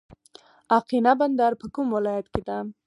اقینه بندر په کوم ولایت کې دی؟